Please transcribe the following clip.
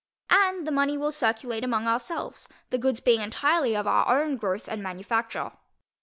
And the money will circulate among our selves, the goods being entirely of our own growth and manufacture.